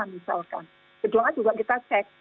misalkan kedua a juga kita cek